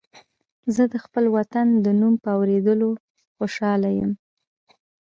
زه د خپل وطن د نوم په اورېدو خوشاله یم